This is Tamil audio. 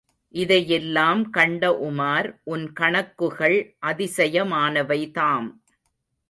இதையெல்லாம் கண்ட உமார், உன் கணக்குகள் அதிசயமானவைதாம்!